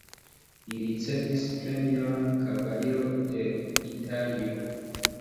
Li ricevis premion "Kavaliro de Italio".